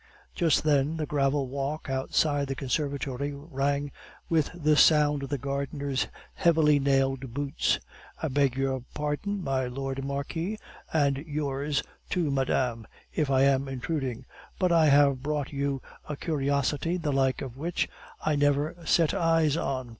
Just then the gravel walk outside the conservatory rang with the sound of the gardener's heavily nailed boots. "I beg your pardon, my Lord Marquis and yours, too, madame if I am intruding, but I have brought you a curiosity the like of which I never set eyes on.